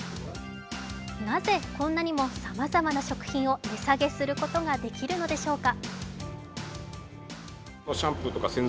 なぜこんなにもさまざまな食品を値下げすることができるのでしょうか？